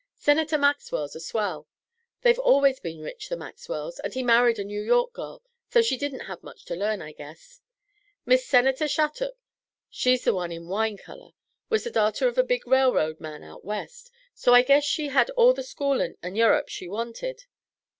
Senator Maxwell's a swell; they've always been rich, the Maxwells, and he married a New York girl, so she didn't have much to learn, I guess. Mis' Senator Shattuc she's the one in wine colour was the darter of a big railroad man out West, so I guess she had all the schoolin' and Yurrup she wanted.